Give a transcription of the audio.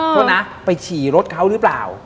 โทษนะไปฉี่รถเขาหรือเปล่า